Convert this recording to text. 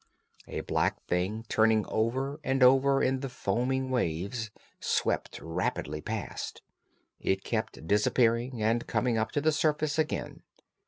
A black thing, turning over and over in the foaming waves, swept rapidly past. It kept disappearing and coming up to the surface again.